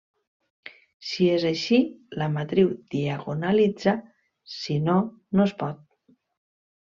Si és així, la matriu diagonalitza, si no, no es pot.